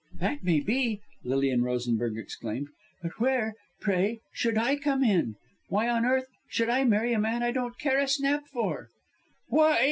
"That may be," Lilian Rosenberg exclaimed, "but where, pray, should I come in? Why on earth should I marry a man I don't care a snap for?" "Why!"